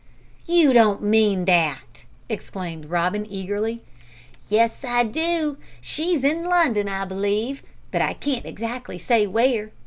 "You don't mean that!" exclaimed Robin eagerly. "Yes I do. She's in London, I believe, but I can't exactly say where.